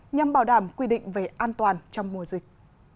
nhằm bảo đảm quy định về an toàn trong mùa dịch